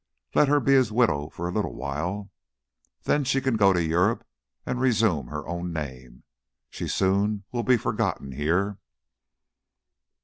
"Let her be his widow for a little while. Then she can go to Europe and resume her own name. She soon will be forgotten here."